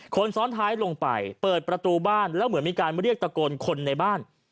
คนซ้อนท้ายลงไปเปิดประตูบ้านแล้วเหมือนมีการเรียกตะโกนคนในบ้าน